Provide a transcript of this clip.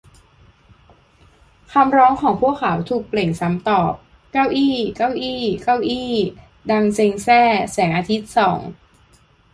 คำร้องของพวกเขาถูกเปล่งซ้ำตอบ "เก้าอี้" "เก้าอี้" "เก้าอี้" ดังเซ็งแซ่ แสงอาทิตย์ส่อง